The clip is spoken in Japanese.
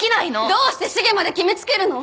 どうして繁まで決めつけるの！？